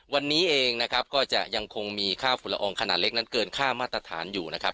วันนี้เองนะครับก็จะยังคงมีค่าฝุ่นละอองขนาดเล็กนั้นเกินค่ามาตรฐานอยู่นะครับ